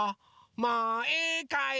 もういいかい？